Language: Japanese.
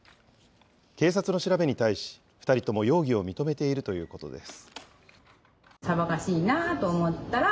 警察の調べに対し、２人とも容疑を認めているということです。